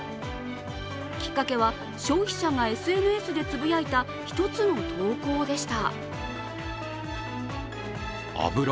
きっかけは消費者がＳＮＳでつぶやいた一つの投稿でした。